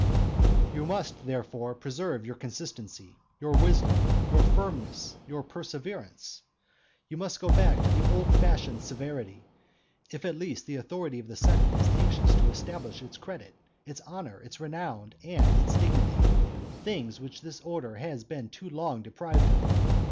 V. You must, therefore, preserve your consistency, your wisdom, your firmness, your perseverance. You must go back to the old fashioned severity, if at least the authority of the senate is anxious to establish its credit, its honour, its renown, and its dignity, things which this order has been too long deprived of.